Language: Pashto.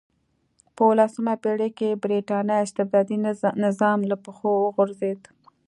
په اولسمه پېړۍ کې برېټانیا استبدادي نظام له پښو وغورځېد.